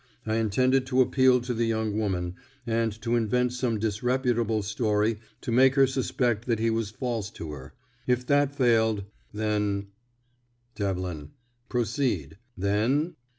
I intended to appeal to the young woman, and to invent some disreputable story to make her suspect that he was false to her. If that failed, then " Devlin: "Proceed. Then?"